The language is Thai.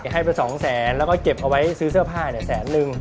ให้ไปสองแสนแล้วก็เก็บเอาไว้ซื้อเสื้อผ้าแสนนึง